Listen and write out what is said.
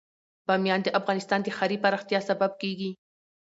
بامیان د افغانستان د ښاري پراختیا سبب کېږي.